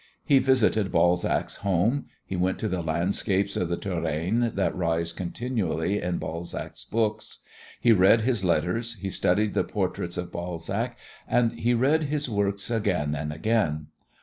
He visited Balzac's home, he went to the landscapes of the Touraine that rise continually in Balzac's books; he read his letters, he studied the portraits of Balzac and he read his works again and again.